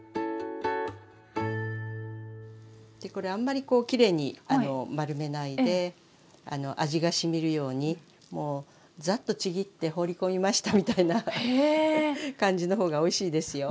これあんまりこうきれいに丸めないであの味がしみるようにもうざっとちぎって放り込みましたみたいな感じの方がおいしいですよ。